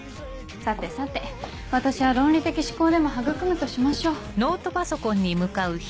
さてさて私は論理的思考でも育むとしましょう。